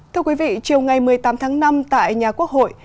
thưa quý vị chiều ngày một mươi tám tháng năm tại nhà quốc hội